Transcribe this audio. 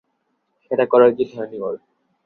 সেটা করা উচিৎ হয়নি ওর।